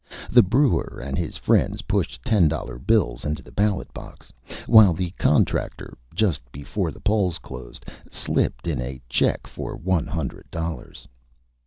The Brewer and his Friends pushed Ten Dollar Bills into the Ballot Box, while the Contractor, just before the Polls closed, slipped in a Check for One Hundred Dollars.